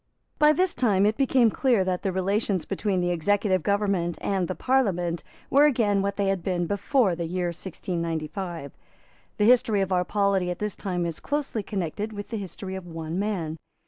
By this time it became clear that the relations between the executive government and the Parliament were again what they had been before the year 1695. The history of our polity at this time is closely connected with the history of one man.